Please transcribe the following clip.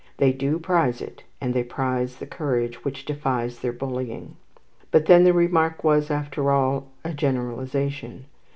They do prize it, and they prize the courage which defies their bullying. But then the remark was, after all, a generalization.